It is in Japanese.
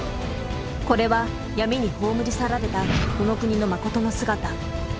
これは闇に葬り去られたこの国のまことの姿。